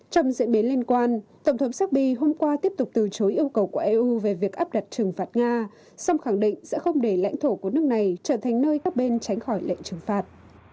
trong diễn biến liên quan tổng thống serbia hôm qua tiếp tục từ chối yêu cầu của eu về việc áp đặt trừng phạt nga song khẳng định sẽ không để lãnh thổ của nước này trở thành nơi các bên tránh khỏi lệnh trừng phạt